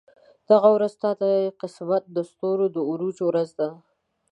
دغه ورځ ستا د قسمت د ستورو د عروج ورځ ده.